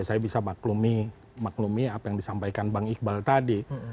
saya bisa maklumi apa yang disampaikan bang iqbal tadi